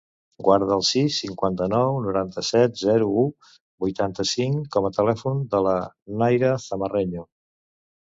Guarda el sis, cinquanta-nou, noranta-set, zero, u, vuitanta-cinc com a telèfon de la Nayra Zamarreño.